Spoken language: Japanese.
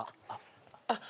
あっ。